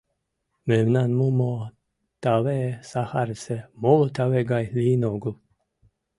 Мемнан мумо таве Сахарысе моло таве гай лийын огыл.